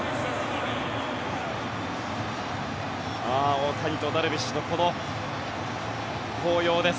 大谷とダルビッシュのこの抱擁です。